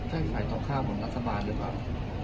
ใช่ฝ่ายต่อข้ามของรัฐบาลหรือเปล่า